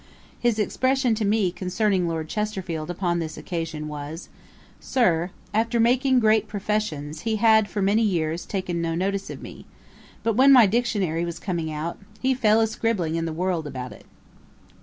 His expression to me concerning Lord Chesterfield, upon this occasion, was, 'Sir, after making great professions, he had, for many years, taken no notice of me; but when my Dictionary was coming out, he fell a scribbling in The World about it.